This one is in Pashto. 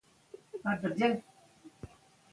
پاکه خاوره یې وژغورله.